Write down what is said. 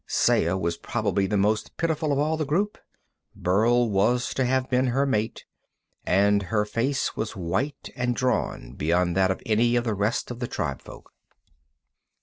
Saya was probably the most pitiful of all the group. Burl was to have been her mate, and her face was white and drawn beyond that of any of the rest of the tribefolk.